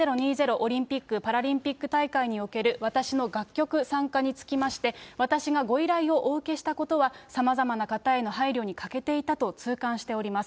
オリンピック・パラリンピック大会における私の楽曲参加につきましては、私がご依頼をお受けしたことは、さまざまな方への配慮に欠けていたと痛感しております。